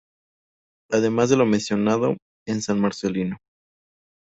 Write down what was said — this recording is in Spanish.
Además de lo mencionado, en San Marcelino.